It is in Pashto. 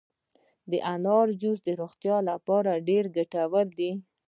د انارو جوس د روغتیا لپاره ډیر ګټور دي.